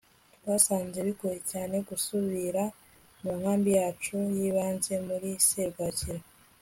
twasanze bigoye cyane gusubira mu nkambi yacu y'ibanze muri serwakira